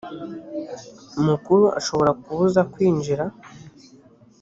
mukuru ashobora kubuza kwinjira